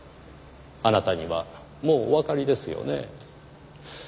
あなたにはもうおわかりですよね。